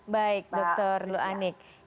baik dr luanik